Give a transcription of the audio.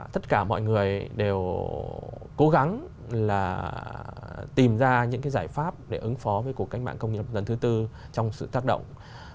tất cả mọi người đều cố gắng tìm ra những giải pháp để ứng phó với cuộc cách mạng công nghiệp lần thứ bốn trong sự tác động